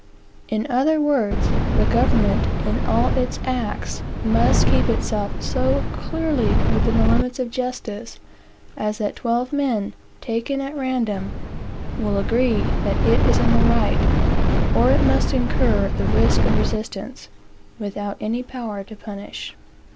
In other words, the government, in all its acts, must keep itself so clearly within the limits of justice, as that twelve men, taken at random, will all agree that it is in the right, or it must incur the risk of resistance, without any power to punish it.